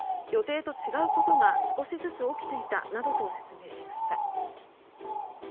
予定と違うことが少しずつ起きていたなどと説明しました。